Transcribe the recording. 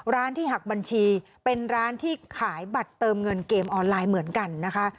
ร้านที่หักบัญชีเป็นร้านที่ขายบัตรเติมเงินเกมออนไลน์เหมือนกันนะคะ